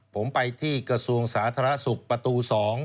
ผมไปที่กระทรวงสาธารณสุขประตู๒